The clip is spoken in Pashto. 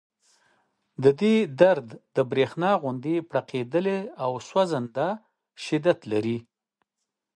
د دې درد د برېښنا غوندې پړقېدلی او سوځنده شدت لري